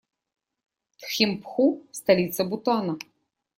Тхимпху - столица Бутана.